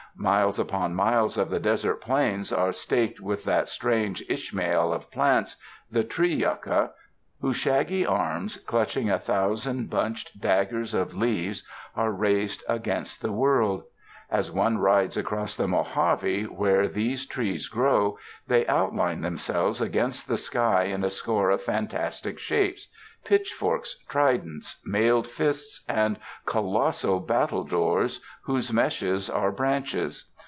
Miles upon miles of the desert plains are staked with that strange Ishmael of plants, the tree yucca, whose shaggy arms, clutching a thousand bunched daggers of leaves, are raised against the world. As one rides across the Mojave, where these trees grow, they outline themselves against the sky in a score of fantastic shapes — pitchforks, tridents, mailed fists and colossal battledores whose meshes are branches.